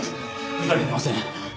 ふざけてません。